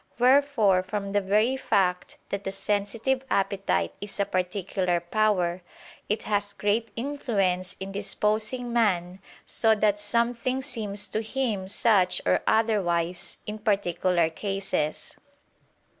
Wherefore from the very fact that the sensitive appetite is a particular power, it has great influence in disposing man so that something seems to him such or otherwise, in particular cases.